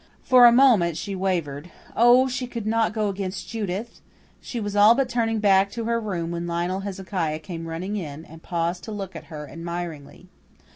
For a moment she wavered oh, she could not go against Judith! She was all but turning back to her room when Lionel Hezekiah came running in, and paused to look at her admiringly.